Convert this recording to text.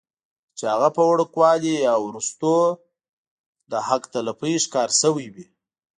چې هغه پۀ وړوکوالي يا وروستو د حق تلفۍ ښکار شوي وي